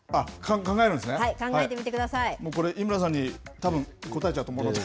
これ、井村さんに、答えちゃうと思うので。